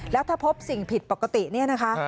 แล้วถ้าพบสิ่งผิดปกติเนี่ยนะคะ